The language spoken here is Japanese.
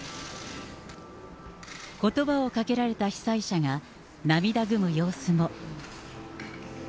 ことばをかけられた被災者が涙ぐむ様子も。